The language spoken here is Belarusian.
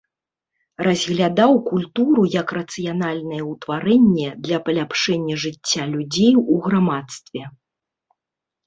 Разглядаў культуру як рацыянальнае ўтварэнне для паляпшэння жыцця людзей у грамадстве.